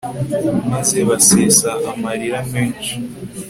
maze basesa amarira menshi